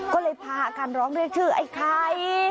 ก็เลยพากันร้องเรียกชื่อไอ้ไข่